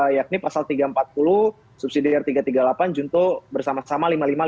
yakni pasal tiga ratus empat puluh subsidi r tiga ratus tiga puluh delapan junto bersama sama lima ratus lima puluh